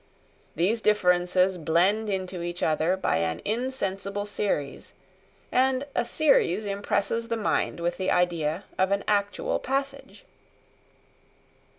These differences blend into each other by an insensible series; and a series impresses the mind with the idea of an actual passage.